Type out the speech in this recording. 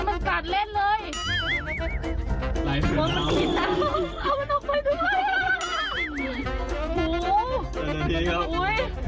เดาท้าทีครับ